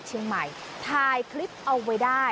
จากสิน